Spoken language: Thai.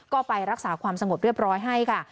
ก็ไปรักษาความสงบเรียบร้อยให้ค่ะ